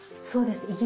そうです。